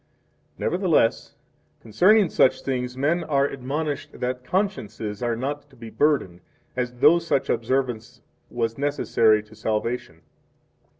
2 Nevertheless, concerning such things men are admonished that consciences are not to be burdened, as though such observance was necessary to salvation.